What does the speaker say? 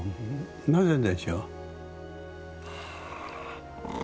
なぜでしょう？